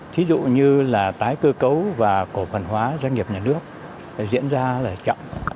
thí dụ như là tái cơ cấu và cổ phần hóa doanh nghiệp nhà nước diễn ra là chậm